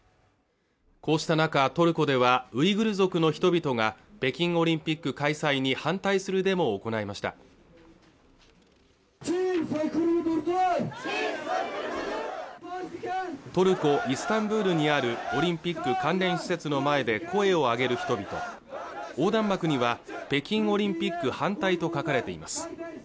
こうした中トルコではウイグル族の人々が北京オリンピック開催に反対するデモを行いましたトルコ・イスタンブールにあるオリンピック関連施設の前で声を上げる人々横断幕には北京オリンピック反対と書かれています